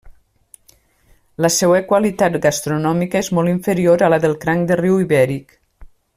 La seua qualitat gastronòmica és molt inferior a la del cranc de riu ibèric.